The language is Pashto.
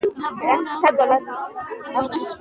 که نه شې راتلی نو ما ته ووايه